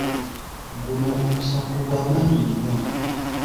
Guno omusango gw'amaanyi nnyo.